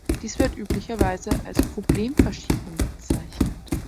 Dies wird üblicherweise als Problemverschiebung bezeichnet.